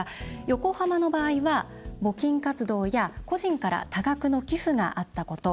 横浜の場合は募金活動や個人から多額の寄付があったこと。